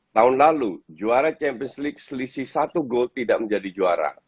tahun lalu juara champions league selisih satu gol tidak menjadi juara